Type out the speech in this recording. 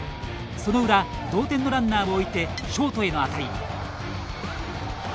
その裏同点のランナーを置いてショートへの当たり。